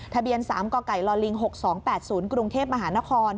ทะเบียน๓กไก่ลิง๖๒๘๐กรุงเทพมหานคร